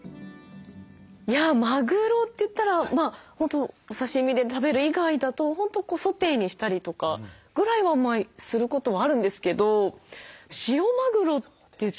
いやマグロといったら本当お刺身で食べる以外だと本当ソテーにしたりとかぐらいはすることはあるんですけど塩マグロって調理法は知らなかった。